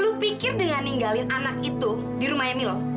lo pikir dengan ninggalin anak itu di rumahnya milo